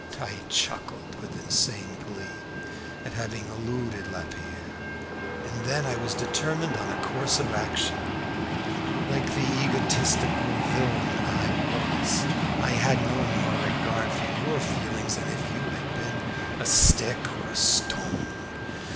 "I chuckled with insane glee at having eluded Lapierre, and then I determined on a course of action. Like the egotistical villain I was, I had no more regard for your feelings than if you had been a stick or a stone.